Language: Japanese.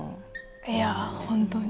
いや本当に。